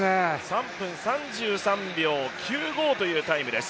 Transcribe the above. ３分３３秒９５というタイムです